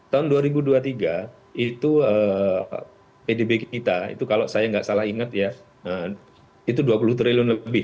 tahun dua ribu dua puluh tiga itu pdb kita itu kalau saya nggak salah ingat ya itu dua puluh triliun lebih